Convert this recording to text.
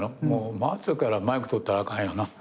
マツからマイク取ったらあかんよな。